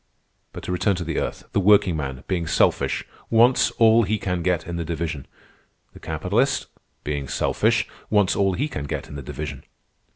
But to return to the earth, the workingman, being selfish, wants all he can get in the division. The capitalist, being selfish, wants all he can get in the division.